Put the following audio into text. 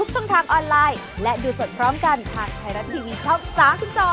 สวัสดีค่ะ